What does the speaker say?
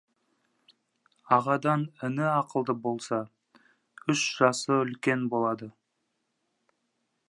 Ағадан іні ақылды болса, үш жасы үлкен болады.